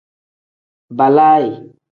Balaayi.